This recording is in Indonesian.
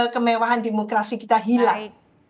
kemewahan demokrasi kita hilang